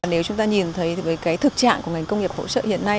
nếu chúng ta nhìn thấy với thực trạng của ngành công nghiệp phụ trợ hiện nay